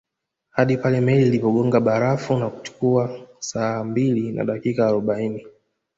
Hadi pale meli ilipogonga barafu na kuchukua saa mbili na dakika arobaini